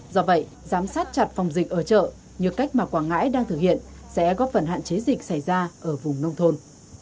do vậy giám sát chặt phòng dịch ở chợ như cách mà quảng ngãi đang thực hiện sẽ góp phần hạn chế dịch xảy ra ở vùng nông thôn